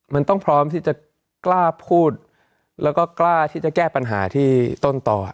มันต้องพร้อมที่จะกล้าพูดแล้วก็กล้าที่จะแก้ปัญหาที่ต้นต่อ